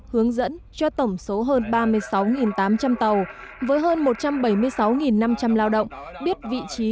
hướng dẫn cho tổng số hơn ba mươi sáu tám trăm linh tàu với hơn một trăm bảy mươi sáu năm trăm linh lao động biết vị trí